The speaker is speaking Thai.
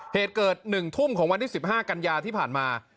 เหตุเกิด๑ทุ่มของวันที่๑๕กันยาที่ผ่านมา